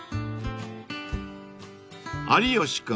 ［有吉君